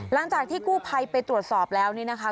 หลังจากที่กู้ภัยไปตรวจสอบแล้วนี่นะคะ